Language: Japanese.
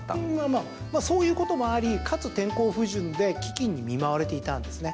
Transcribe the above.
まあ、そういうこともありかつ、天候不順で飢饉に見舞われていたんですね。